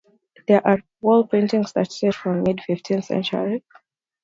There are wall paintings that date from the mid fifteenth century.